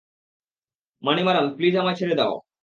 Manimaran, please, আমায় ছেড়ে দাও।